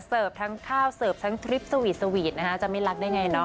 เสิร์ฟทั้งขาวเสิร์ฟทั้งตริฟต์สวีท